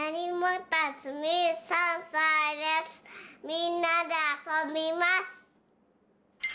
みんなであそびます！